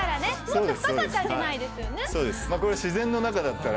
そうです。